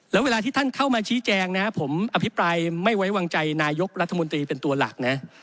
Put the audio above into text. แล้วเวลาที่ท่านเข้ามาชี้แจงนะผมอภิปรายไม่ไว้วางใจนายกรัฐมนตรีเป็นตัวหลักนะ